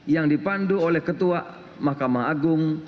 yang dipandu oleh ketua mahkamah agung